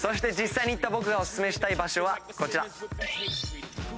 実際に行った僕がお薦めしたい場所はこちら。